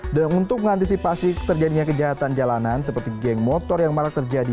dan untuk mengantisipasi terjadinya kejahatan jalanan seperti geng motor yang malah terjadi